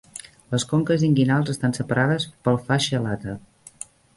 Les conques inguinals estan separades pel fascia lata.